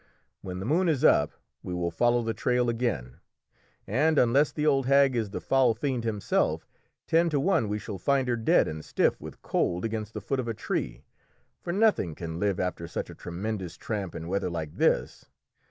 When the moon is up we will follow the trail again, and unless the old hag is the foul fiend himself, ten to one we shall find her dead and stiff with cold against the foot of a tree, for nothing can live after such a tremendous tramp in weather like this.